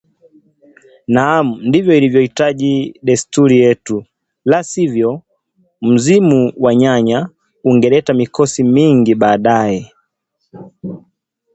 Naam, ndivyo ilivyohitaji desturi yetu, la sivyo, mzimu wa nyanya ungeleta mikosi mingi baadaye